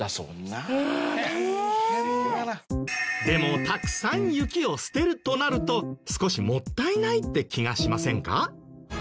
でもたくさん雪を捨てるとなると少しもったいないって気がしませんか？